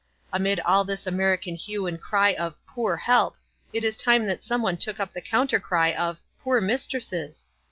Amid all this American hue and cry of ' poor help !' it is time that some one took up the counter cry of c poor mistresses